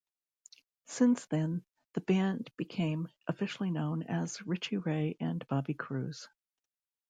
Since then the band became officially known as Richie Ray and Bobby Cruz.